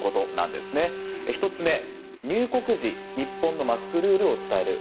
まず、１つ目は入国時、日本のマスクルールを伝える。